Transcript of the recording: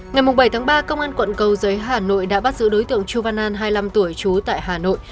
ngày bảy tháng ba công an quận cầu giới hà nội đã bắt giữ đối tượng chu van an hai mươi năm tuổi chú tại hà nội